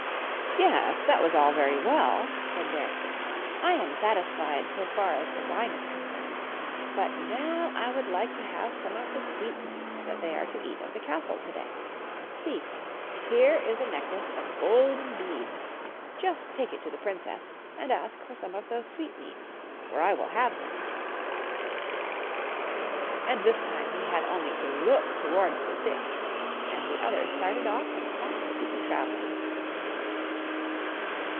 " Yes, that was all very well," said Bearskin, " I am satisfied so far as the wine is concerned, but now I would like to have some of the sweetmeats that they are to eat at the castle to day. See, here is a necklace of golden 3^<^ttftnb]PieMm^rb^a gnmbfeajst beads; just take it to the princess and ask for some of those sweetmeats, for I will have them," and this time he had only to look towards the stick, and the other started off as fast as he could travel.